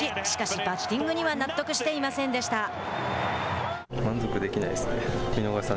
しかし、バッティングには納得していませんでした。